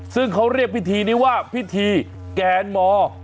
ซึ่งเขาเรียกพิธีนี้ว่าพิธีแกนมอร์